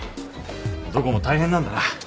どこも大変なんだな。